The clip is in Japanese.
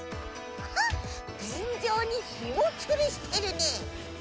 あってんじょうにひもをつるしてるね。